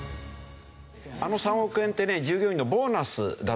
あの３億円ってね従業員のボーナスだったんですね。